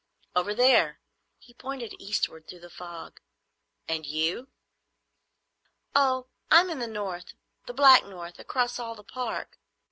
"Over there," He pointed eastward through the fog. "And you?" "Oh, I'm in the north,—the black north, across all the Park.